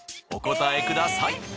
お答えください。